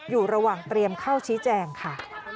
อยู่ระหว่างเตรียมเข้าชี้แจงค่ะ